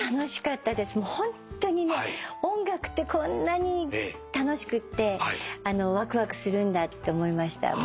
ホントにね音楽ってこんなに楽しくってわくわくするんだって思いました。